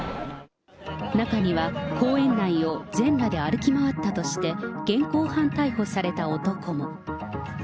中には公園内を全裸で歩き回ったとして現行犯逮捕された男も。